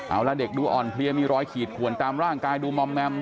เอาละเด็กดูอ่อนเพลียมีรอยขีดขวนตามร่างกายดูมอมแมม